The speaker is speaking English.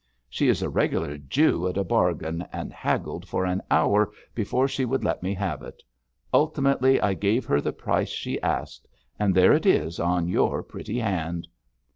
She is a regular Jew at a bargain, and haggled for an hour before she would let me have it. Ultimately I gave her the price she asked, and there it is on your pretty hand.'